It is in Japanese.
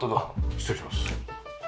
失礼します。